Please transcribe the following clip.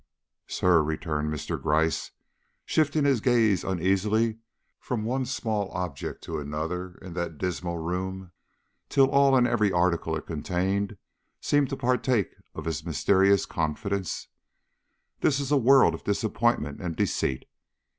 "Sir," returned Mr. Gryce, shifting his gaze uneasily from one small object to another in that dismal room, till all and every article it contained seemed to partake of his mysterious confidence, "this is a world of disappointment and deceit.